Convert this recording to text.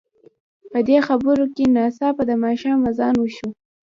په دې خبرو کې ناڅاپه د ماښام اذان وشو.